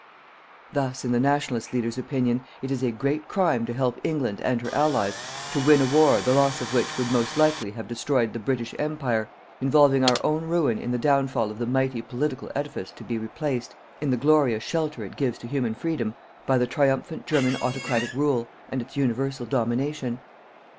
Thus, in the Nationalist leader's opinion, it is a great crime to help England and her Allies to win a war the loss of which would most likely have destroyed the British Empire, involving our own ruin in the downfall of the mighty political edifice to be replaced, in the glorious shelter it gives to human freedom, by the triumphant German autocratic rule and its universal domination.